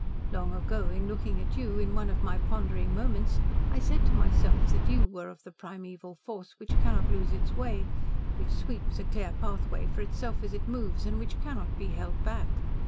Long ago in looking at you in one of my pondering moments I said to myself that YOU were of the Primeval Force which cannot lose its way which sweeps a clear pathway for itself as it moves and which cannot be held back.